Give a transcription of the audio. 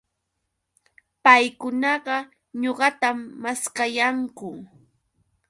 Paykunaqa ñuqatam maskayanku